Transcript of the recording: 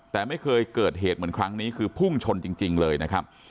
แต่ไม่เคยเกิดเหตุเหมือนครั้งนี้คือพุ่งชนจริงเลยนะครับ